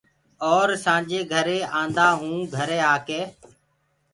اور سآنجي گھري آنٚدآ هونٚ گھري آڪي